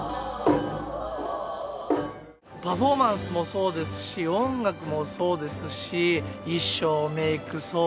パフォーマンスもそうですし音楽もそうですし衣装メーク装置。